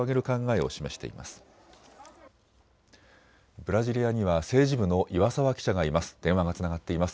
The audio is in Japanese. ブラジリアには政治部の岩澤記者がいます。